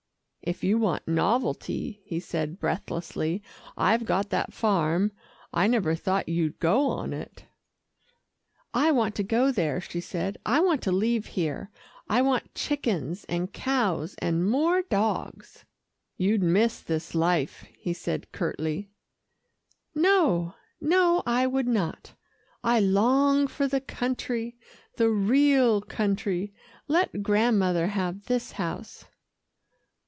"If you want novelty," he said breathlessly, "I've got that farm I never thought you'd go on it." "I want to go there," she said. "I want to leave here. I want chickens and cows and more dogs." "You'd miss this life," he said curtly. "No, no, I would not. I long for the country the real country let Grandmother have this house."